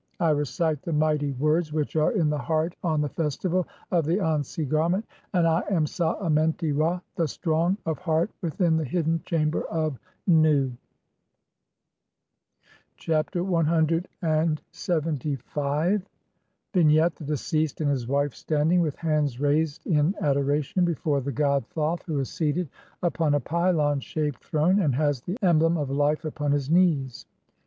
I "recite the mighty [words] which are in the heart on the festival "of the Ansi garment, and I am Sa Amenti (ig) Ra, the strong (?) "of heart within the hidden chamber of Nu." Chapter CLXXV. [From the Papyrus of Ani (Brit. Mus. No. 10,470, sheet 29).] Vignette: The deceased and his wife standing, with hands raised in adoration, before the god Thoth, who is seated upon a pylon shaped throne, and has the emblem of "life" upon his knees.